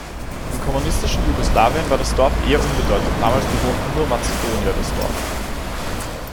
Im kommunistischen Jugoslawien war das Dorf eher unbedeutend, damals bewohnten nur Mazedonier das Dorf.